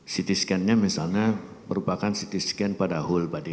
ct scan nya misalnya merupakan ct scan pada whole body